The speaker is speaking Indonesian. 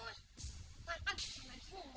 ya main tuh